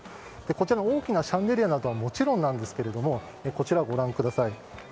こちらの大きなシャンデリアなどもちろんなんですがこちら、ご覧ください。